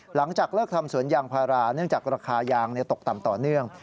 หลังจากเลิกทำสวนยางพาราเนื่องจากราคายางตกต่ำต่อเนื่อง